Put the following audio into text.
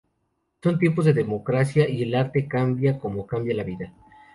Son tiempos de Democracia y el arte cambia como cambia la vida.